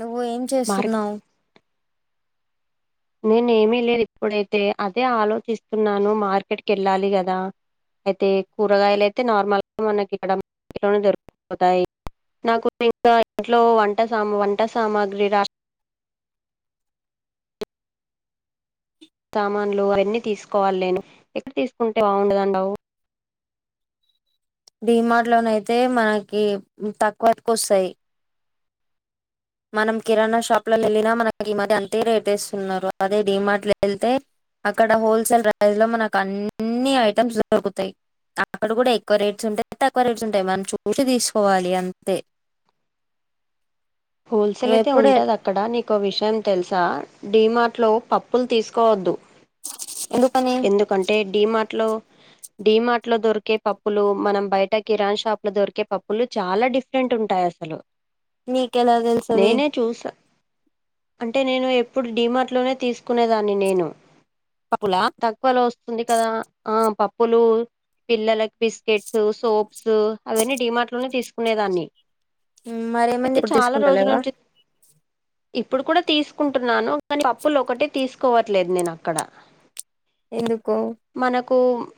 నువ్వు ఏం మార్ చేస్తున్నావు నేను ఏమిీ లేదు ఇప్పుడైతే అదే ఆలోచిస్తున్నాను మార్కెట్కి వెళ్ళాలి కదా అయితే కూరగాయలు అయితే నార్మల్గా మనకి ఇ దొరుపోతాయి నాకు ఇంకా ఇంట్లో వంట సా వంట సామాగ్రి రా సామాన్లు అవన్నీ తీసుకోవాలి నేను ఎక్కడ తీసుకుంటే బావుండదండవు డిమార్ట్ లోనయితే మనకి తక్కువరకు వస్తాయి మనం కిరాణా షాప్ లో వెళ్ళినా మనకి ఈ మధ్య అంతే రేట్ ఇస్తున్నారు అదే డిమార్ట్ లో వెళ్తే అక్కడ హోల్సేల్ ప్రైస్ లో మనకు అన్ని ఐటమ్స్ దొరుకుతాయి అక్కడ కూడా ఎక్కువ రేట్స్ ఉంటాయింత తక్కువ రేట్స్ ఉంటాయి మనం చూసి తీసుకోవాలి అంతే హోల్సేల్ నువ్వు అయితే ఎప్పుడే ఉంటది అక్కడ నీకు విషయం తెలుసా డడిమార్ట్లో పప్పులు తీసుకోవద్దు ఎందుకని ఎందుకంటే డిమార్ట్ లో డి మార్ట్ లో దొరికే పప్పులు మనం బయట కిరాన్ షాప్ లో దొరికే పప్పులు చాలా డిఫరెంట్ ఉంటాయి అసలు నీకెలా తెలుసు అది అంటే నేను ఎప్పుడు డిీమార్ట్లోనే తీసుకునేదాన్ని నేను పప్పులా తక్కువలో వస్తుంది కదా ఆ పప్పులు పిల్లలకి బిస్కెట్స్ సోప్స్ అవన్నీ డడిమార్ట్ లోనే తీసుకునే దాన్ని మరేమంది ఇప్పుడు రోజుల తీసుకుంటాలెవా నుంచి ఇప్పుడు కూడా తీసుకుంటున్నాను కానీ పప్పులు ఒకటే తీసుకోవట్లేదు నేను అక్కడ ఎందుకో కు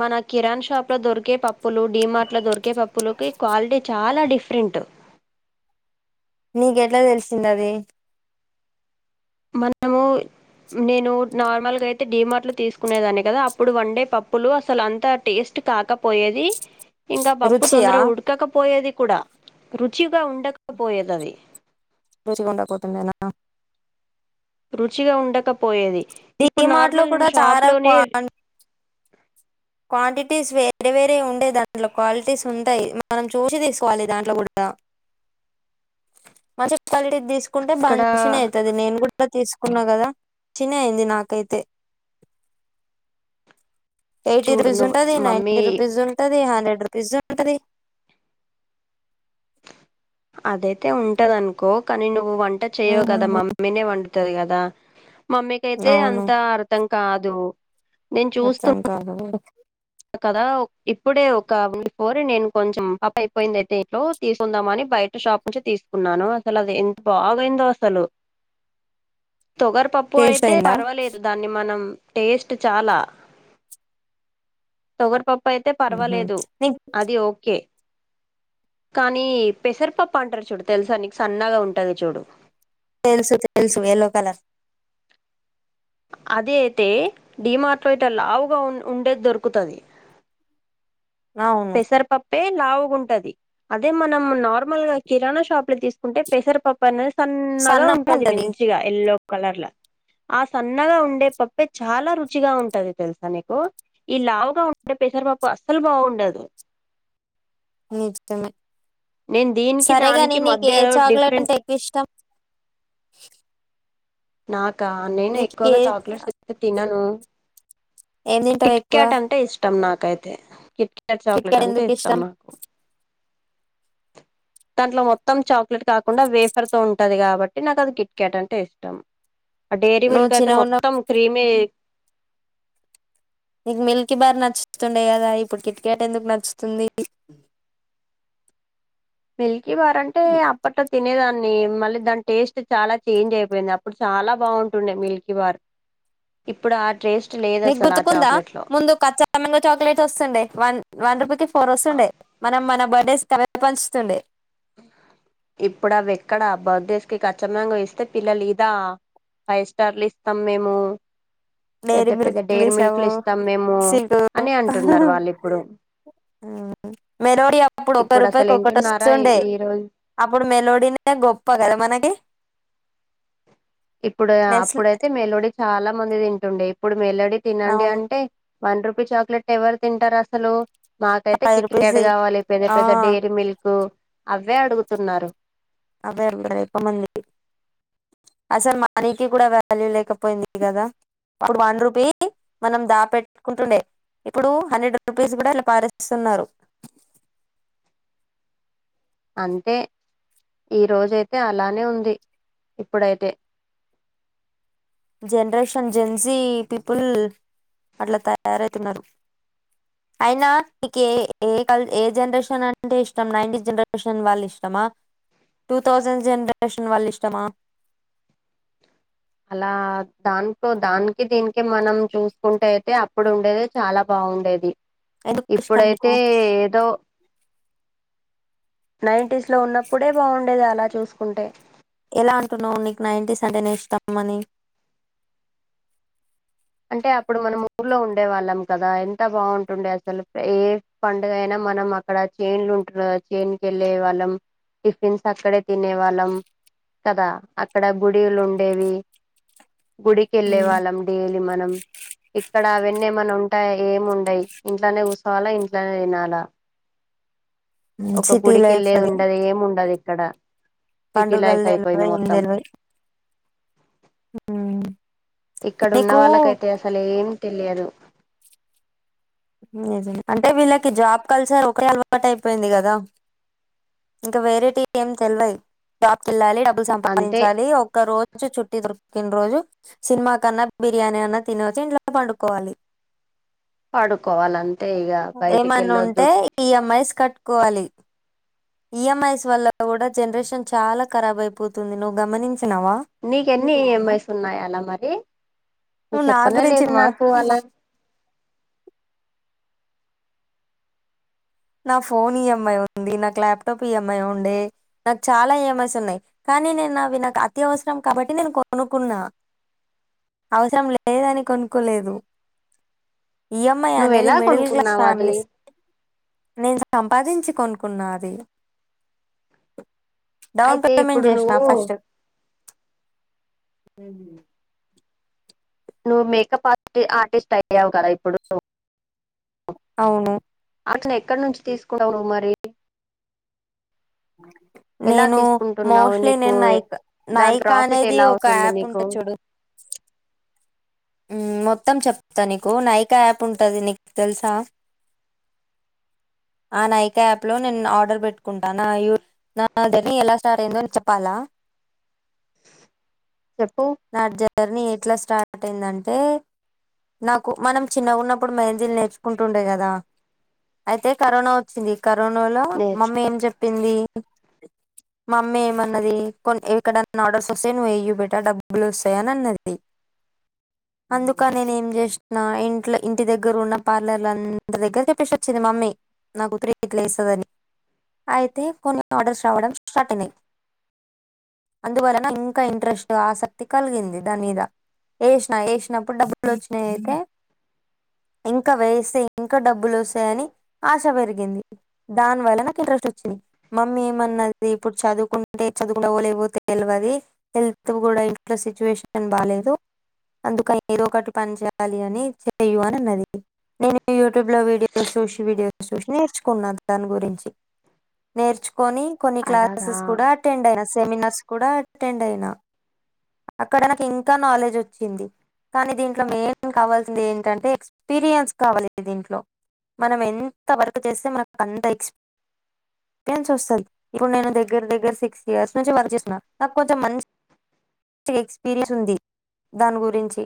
మన కిరాన్ షాప్ లో దొరికే పప్పు పప్పులు డి మార్ట్ లో దొరికే పప్పుల కి క్వాలిటీ చాలా డీ డిఫ్రెంట్ నీక ఎట్లా తెలిసింద అది మనము నేను నార్మల్ అయితే డడిమార్ట్లో తీసుకునేదాన్ని కదా అప్పుడు వన్డే పప్పులు అసలు అంత టేస్ట్ కాకపోయేది ఇంకా పప్పు రుచియా తొందర ఉడకకపోయేది కూడా రుచిగా ఉండకపోయేదది రుచిగా ఉండపోతుందేనా రుచిగా ఉండకపోయేది ఈ ఇప్పుడు మాట్లో నార్మల్ కూడా నేను షాప్ చాలా క లోనే క్వాంటిటీస్ వే వేరే వేరే ఉండే దాంట్లో క్వాలిటీస్ ఉంటాయి్ మనం చూసి తీసుకోవాలి దాంట్లో కూడా మంచి క్వాలిటీది తీసుకుంటే ఇక్కడ మంచిిన అవుతుంది నేను కూడా తీసుకున్న కదా చి అయింది నాకైతే ఎయిటీ చూడు రుపీస్ నువ్వు ఉంటది మమ్మీ నైన్ంటి రుపీస్ ఉంటది హండ్రెడ్ పిజ్జా ఉంటంది అదైతే ఉంటదనుకో కానీ నువ్వు నువ్ వంట చేయ్యవు కదా మమ్మీనే వంట కర్రీ కదా మమ్మీకియితే అవును అంత అర్థం కాదు నేను చూస్తా అర్థం కాదు కదా ఇప్పుడే ఒక ఉండు ఫోర్ నేను కొంచెం పప్పు అయిపోయింది అయితే ఇంట్లో తీసుకుందామని బయట షాప్ నుంచి తీసుకున్నాను అసలు అది ఎంత బాగుయిందో అసలు తొగర పప్పు టేస్ట్ అయితే అయిందా పర్వాలేదు దాన్ని మనం టేస్ట్ చాలా తోగరి పప్పు అప్పు అయితే మ్మ్. పర్వాలేదు నీకు అది ఓకే కానీ పెసరపప్పు అంటారు చూడు తెలుసా నీకు సన్నగా ఉంటది చూడు తెలుసు తెలుసు యల్లో కలర్ అది అయితే డిమార్టవేటర్ లావుగా ఉండేది దొరుకుతుంది అవును పూ లావుగాంటది అదే మనం నార్మల్ గా కిరాణా షాప్ లో తీసుకుంటే పెసర్ పప్పు అనేది సన్నగా ఉంటది మంచిగా ఎల్లో కలర్ల ఆ సన్నగా ఉండే పప్పే చాలా రుచిగా ఉంటది తెలుసా నీకు ఈ లావుగా ఉండే పెసర పప్పు అస్సలు బాగుండదు నిజమే నేను దీనికి దానికి సరేగాని నీకు ఏ మధ్యలో చాక్లెట్ డిఫరెంట్ అంటే ఎక్కువ ఇష్టం నాకు కా నేను నీకు ఏ ఎక్కువగా చాక్లెట్స్ తినను ఏం తింటావు ఎక్కువ కిట్క్యాట్ అంటే ఇష్టం నాకు యితే ట్ట్ కిట్ చాక్లెట్ క్యాట్ అంటే ఎందుకు ఇష్టం నాకు దాంట్లో మొత్తం చాక్లెట్ కాకుండా వేఫర్ తో ఉంటది కాబట్టి నాకు అది కిట్ క్యాట్ అంటే ఇష్టం ఆ డైయిరీ నువ్వు మిల్క్ అయితే చిన్నగున్నప్ మొత్తం క్రీమి నీకు మిల్కీ బార్ నచ్చుస్తుండే కదా ఇప్పుడు కిట్ క్యాట్ ఎందుకు నచ్చుతుంది మీల్ వారంటే అప్పట్ తినేదాన్ని మళ్ళీ దాని టేస్ట్ చాలా చేంజ్ అయిపోయింది అప్పుడు చాలా బాగుంటుండే మిల్కీ బార్ ఇప్పుడు ఆ టేస్ట్ లేదు నీకు అసలు ఆ గుర్తుకుందా చాక్లెట్ లో ముందు కచ్చా మంగ చాక్లెట్ వస్తుండే వన్ వన్ రూపీకిి ఫోర్ ఆ, వస్తుండే మనం మనం బర్త్డేస్ పంచుతుండే ఇప్పుడు అవి ఎక్కడా బర్త్డేస్ కి కచ్చ మాంగో ఇస్తే పిల్లలు ఇదా ఫైవ్ స్టార్లు ఇస్తాం మేము పెద్ద పెద్ద డైరీ నేరుమిిర్క్్లిసవు మిల్క్లు ఇస్తాం మేము సిగు అని అంటున్నారు వాళ్ళు ఇప్పుడు మెలోడీ అప్పుడు ఒక ఇప్పుడు అసలు రూపాయికి ఒకటి వింటున్నారా ఈ వస్తుండే ఈ రోజు అప్పుడు మెలోడీనే గొప్ప కదా మనకి ఇప్పుడు నెస్లే అప్పుడైతే మెలోడీ చాలా మంది తింటుండే ఇప్పుడు మెలోడీ తినండి అవును అంటే వన్ రూపీ చాక్లెట్ ఎవరు తింటారు అసలు నాకైతే ఫైవ్ కిట్ రూపీస్ క్యాట్ కావాలి పెద్ద ఆ పెద్ద డేరీ మిల్కు అవ్వే అడుగుతున్నారు అదే [unintelligible] మంది అసలు మనీకి కూడా వాల్యూ లేకపోయింది కదా అప్పుడు వన్ రూపీ మనం దా పెట్టుకుంటుండే ఇప్పుడు హండ్రెడ్ రూపీస్ కూడా ఇలా పారేస్తున్నారు అంతే ఈ రోజైతే అలానే ఉంది ఇప్పుడైతే జనరేషన్ జెన్సీ పీపుల్ అట్లా తయారైతున్నారు అయినా నీకు ఏ ఏ కల్ ఏ జనరేషన్ అంటే ఇష్టం నైన్టీ జనరేషన్ వాళ్ళు ఇష్టమా టూ థౌసండ్ జనరేషన్ వాళ్ళు ఇష్టమా అలా దాంటో దానికి దీనికి మనం చూసుకుంటే అయితే అప్పుడు ఉండేది చాలా బాగుండేది ఎందుకు ఇష్టం నీకు ఇప్పుడైతే ఏదో నైంటస్ లో ఉన్నప్పుడే బాగుండేది అలా చూసుకుంటే ఎలా అంటున్నావు నీకు నైంటీస్ అంటే నే ఇష్టం మని అంటే అప్పుడు మనం ఊర్లో ఉండే వాళ్ళం కదా ఎంత బాగుంటుండే అసలు ఏ పండుగైన మనం అక్కడ చైన్లు ఉంటుడే కదా చైన్ కెళ్ళే వాళ్ళం టిఫిన్స్ అక్కడే తినే వాళ్ళం కదా అక్కడ గుడిలు ఉండేవి గుడికెళ్లే వాళ్ళం డైలీ అం ఇక్కడ అవన్నీ ఏమన్నా ఉంటాయా ఏమి ఉండయి ఇంట్లోనే గుసోవాలా ఇంట్లోనే తినాలా ఒక సిటీ లైఫ్ గుడికెళ్ళేది అది ఉండది ఏం ఉండది క్కడ సిటీ పండుగలు లైఫ్ అయిపోయింది తెలివై ఏం మొత్తం తెలివై ఇక్కడ ఉన్న నీకు వాళ్ళకైతే అసలు ఏంటి లేదు ఇది అంటే వీళ్ళకి జాబ్ కల్చర్ ఒకే అలవాటు అయిపోయింది కదా ఇంకా వేరేటివి ఏం తెల్వయి జాబ్కి కెళ్లాలి డబ్బు అంతే సంపాదించాలి ఒక్క రోజు చుట్ పుట్టిన రోజు సినిమా కన్నా బిర్యానీ అన్న తినోచ్చి ఇంట్లో పండుకోవాలి పడుకోవలం ఏమన్నా ఉంటే ఈఎంఐస్ కట్టుకోవాలి ఈఎంఐస్ వల్ల కూడా జనరేషన్ చాలా కరబైపోతుంది నువ్వు గమనించ్ నీకేన్ని ఈఎంఐస్ ఉన్నాయి అలా మరి నువ్వు నా చెప్పనే గురించి లేదు మా నాకు అలా నా ఫోన్ ఈఎంఐ ఉంది నాకు ల్యాప్టాప్ ఈఎంఐ ఉండే నాకు చాలా ఈఎంఐస్ ఉన్నాయి కానీ నేను అవి నాకు అత్యవసరం కాబట్టి నేను కొనుకున్నా అవసరం లేదని కొనుక్కోలేదు ఈఎంఐ నువ్వు అనేది ఎలా మిడిల్ క్లాస్ కొనుక్కున్నావు అది ఫ్యామిలీస్ నేన్ సం పదించి కొనుక్కున్న అది డౌన్ అయితే పేమెంట్ ఇప్పుడు చేసిన నువ్వు ఫస్ట్ ఉమ్ హు నువ్వు మేకప్ ఆర్టి-ఆర్టిస్ట్ అయ్యావు కదా ఇప్పుడు అవును అసలు ఎక్కడ నుంచి తీసుకునావ్ నువ్ మరి ఎలా నేను తీసుకుంటున్నావు మోస్ట్లీ నీకు నేను దాని నైక్-నైకా ప్రాఫిట్ అనేది ఎలా ఒక అవుతుంది యాప్ నీకు ఉంటది చూడు మ్ మొత్తం చెప్తా నీకు నైకా యాప్ ఉంటది నిక్ తెలుసా ఆ నైకా యాప్ లో నేను ఆర్డర్ పెట్టుకుంటానా నా జర్నీ ఎలా స్టార్ట్ అయిందో చెప్పాలా చెప్పు నా జర్నీ ఎట్లా స్టార్ట్ అయిందంటే నాకు మనం చిన్నగా ఉన్నప్పుడు మెహందీలు నేర్చుకుంటుండే కదా అయితే కరోనా వచ్చింది కరోనా లో నేర్చు మమ్మీ ఏం చెప్ పింది మమ్మీ ఏమన్నది కొన్ ఎక్కడన్నా ఆర్డర్స్ వస్తే నువ్వు వెయ్య బేటా డబు బులు వస్తాయిని అన్నది అందుకని నేను ఏం చేసిన ఇంట్ల ఇంటి దగ్గర ఉన్న పార్లర్ ల అందరి దగ్గర చెప్పేసి వచ్చింది మమ్మీ నా కూతురు ఇట్లా ఏస్తాదని అయితే కొన్ని ఆర్డర్స్ రావడం స్టార్ట్ అయినాయి అందువల్ల ఇంకా ఇంట్రెస్ట్ ఆస క్తి కలిగింది దా మీద వేసిన వేసినప్పుడు డబ్బులు వచ్చినాయి అయితే ఇంకా వేస్తే ఇంకా డబ్బులు వస్తాయ్ అని ఆశ పెరిగింది దాని వల్ల నాకు ఇంట్రెస్ట్ వచ్చింది మమ్మీ ఏమన్నది ఇప్పుడు చదువుకుంటే చదువుతావో లేవో తెలువది హెల్త్ కూడా ఇంట్ల సిచ్యువేషన్ బాలేదు అందుక ఏదో ఒకటి పని చేయాలి అని చేయు అని అన్నది నేను యూట్యూబ్ లో వీడియోస్ చూసి వీడియోస్ చూసి నేర్చుకున్నాను దాని గురించి నేర్చు కొని కొన్ని అలాగా క్లాసెస్ కూడా అటెండ్ అయిన సెమినార్ ఇస్ కూడా అటెండ్ అయినా అక్కడ నాకు ఇంకా నాలెడ్జ్ వచ్చింది కానీ దీంట్లో మెయిన్ కావాల్సింది ఏంటంటే ఎక్స్పీరియన్స్ కావాలి దీంట్లో మనం ఎంత వర్క్ చేస్తే మనకు అంత ఎక్స్పెన్స్ వస్తది ఇప్పుడు నేను దగ్గర దగ్గర సిక్స్ ఇయర్స్ నుంచి వర్క్ చేసిన నాకు కొంచెం మంచి టి ఎక్స్పీరియన్స్ ఉంది దాని గురించి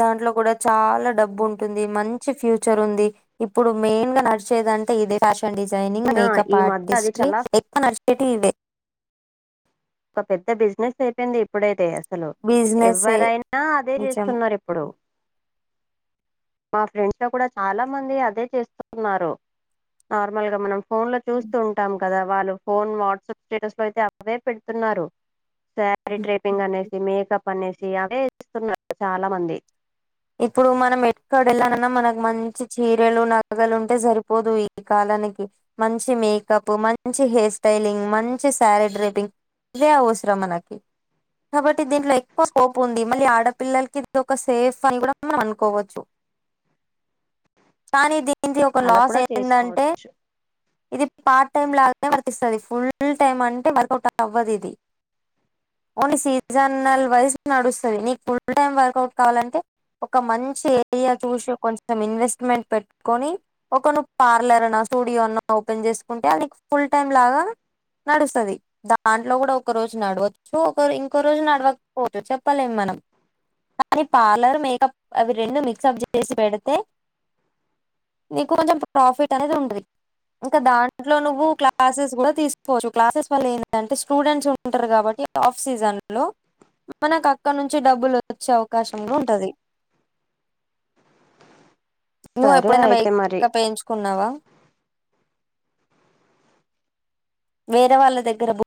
దాంట్లో కూడా చాలా డబ్బు ఉంటుంది మంచి ఫ్యూచర్ ఉంది ఇప్పుడు మెయిన్ గా నడిచేది అంటే ఇదే ఫ్యాష టను డిజైనింగ్ నా మేకప్ ఈ మధ్య అది ఆర్టిస్ట్ చాలా ఎప్పనర్షు ఏటీందే ఒక పెద్ద బిజినెస్ అయిపోయింది ఇప్పుడైతే అసలు బిజినెస్ ఎవరైనా అదే నిజం చేస్తున్నారు ఇప్పుడు మా ఫ్రెండ్స్ లో కూడా చాలా మంది అదే చేస్తున్నారు నార్మల్గా మనం ఫోన్ లో చూస్తూ ఉంటాం కదా వాళ్ళు ఫోన్ వాట్సాప్ స్టేటస్ లో అయితే అవే పెడుతున్నారు శారీ ట్రేపింగ్ అనేసి మేకప్ పనేసి అవే వేస్తున్నారు చాలా మంది ఇప్పుడు మనం ఎక్కడ వెళ్ళనన్నా మనకి మంచి చీరలు నగలు ఉంటే సరిపోదు ఈ కాలానికి మంచి మేకప్ మంచి హెయిర్ స్టైలింగ్ మంచి సారీ ట్రేపింగ్ ఇదే అవసరం మనకి కాబట్టి దీంట్లో ఎక్కువ స్కోప్ ఉంది మళ్ళీ ఆడపిల్లలకి ఇది ఒక సేఫ్ ఫాల్ గూడం మన అనుకోవచ్చు కానీ ది దీనిది ఒక అలా లాస్ కూడా ఏంది అంటే చేసుకోవచ్చు ఇది పార్ట్ టైమ్ లాగానే వర్తిస్తది ఫుల్ టైమ్ అంటే వర్కౌట్ అవ్వదు ఇది ఓన్లీ సీజనల్ వైస్ నడుస్తది నీకు ఫుల్ టైమ్ వర్కౌట్ కావాలంటే ఒక మంచి ఏరియా చూసి కొంచెం ఇన్వెస్ట్మెంట్ పెట్టుకొని ఒక ను పార్లర్ అన స్టూడియో అన్న ఓపెన్ చేసుకుంటే అది నీకు ఫుల్ టైమ్ లాగా నడుస్తుంది దాంట్లో కూడా ఒక రోజు నడవచ్చు ఒక ఇంకో రోజు నడవకపోవచ్చు చెప్పలేం మనం కానీ పార్లర్ మేకప్ అవి రెండు మిక్స్ అప్ చేసి పెడితే నీకు కొంచెం ప్రాఫిట్ అనేది ఉండది ఇంకా దాంట్లో నువ్వు క్లాసెస్ కూడా తీసుకోవచ్చు క్లాసెస్ వల్ల ఏంది అంటే స్టూడెంట్స్ ఉంటారు కాబట్టి ఆఫ్ సీజన్ లో మనకు అక్కడ నుంచి డబ్బులు వచ్చే అవకాశం కూడా ఉంటది నువ్వు సరే ఎప్పుడైనా అయితే మరి మేకప్ వేయించుకున్నావా వేరే వాళ్ళ దగ్గర బు